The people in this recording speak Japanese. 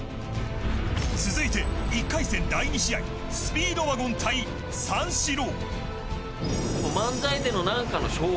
続いて１回戦第２試合スピードワゴン対三四郎。